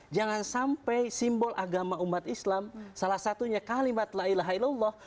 jangan sampai simbol agama umat islam salah satunya kalimat la ilaha ilallah